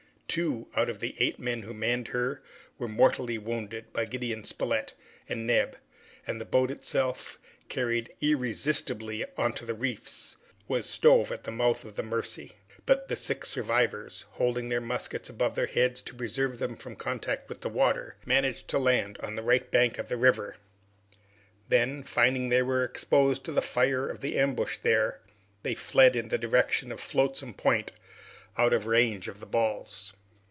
Two, out of the eight men who manned her, were mortally wounded by Gideon Spilett and Neb, and the boat herself, carried irresistibly onto the reefs, was stove in at the mouth of the Mercy. But the six survivors, holding their muskets above their heads to preserve them from contact with the water, managed to land on the right bank of the river. Then, finding they were exposed to the fire of the ambush there, they fled in the direction of Flotsam Point, out of range of the balls.